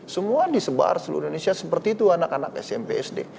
semua disebar seluruh indonesia seperti itu anak anak smp sd